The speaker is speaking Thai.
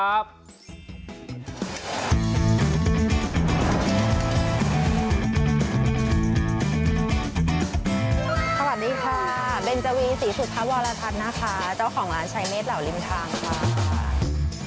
สวัสดีค่ะเบนจวีศรีสุภวรทัศน์นะคะเจ้าของร้านใช้เมฆเหล่าริมทางค่ะ